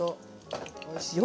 おいしいよ。